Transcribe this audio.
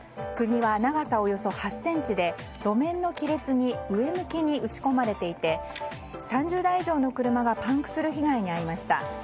釘は長さおよそ８ｃｍで路面の亀裂に上向きに打ち込まれていて３０台以上の車がパンクする被害に遭いました。